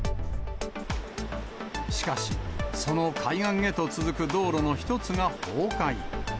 しかし、その海岸へと続く道路の一つが崩壊。